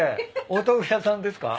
お豆腐屋さんですか？